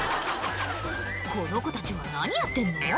この子たちは何やってんの？